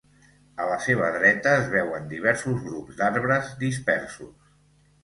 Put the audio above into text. A la seva dreta es veuen diversos grups d'arbres dispersos.